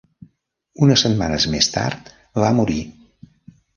Unes setmanes més tard, va morir.